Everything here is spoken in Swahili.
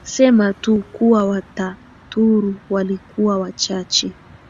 Sema tu kuwa Wataturu walikuwa wachache